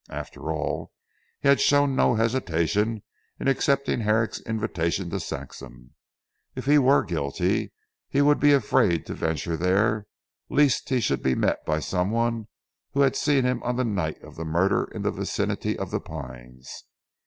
After all he had shown no hesitation in accepting Herrick's invitation to Saxham. If he were guilty he would be afraid to venture there lest he should be met by some one who had seen him on the night of the murder in the vicinity of "The Pines."